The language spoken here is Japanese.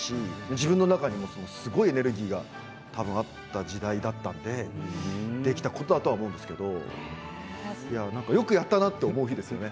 自分の中にもすごいエネルギーが多分あった時代だったのでできたことだとは思うんですけどよくやったなと思う日ですよね